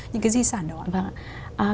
những cái di sản đó vâng ạ